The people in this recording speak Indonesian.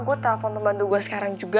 gue telepon membantu gue sekarang juga